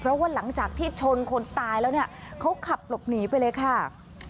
แล้วว่าหลังจากที่ชนคนตายแล้วเขาขับหลบหนีไปเลยค่ะ